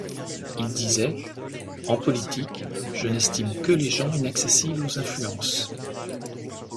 Il disait: En politique, je n’estime que les gens inaccessibles aux influences.